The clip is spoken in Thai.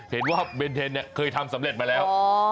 เห็นว่าเบนเทนเนี่ยเคยทำสำเร็จมาแล้ว